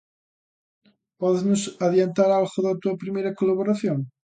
Pódesnos adiantar algo da túa primeira colaboración?